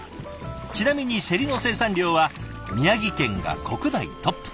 ちなみにせりの生産量は宮城県が国内トップ。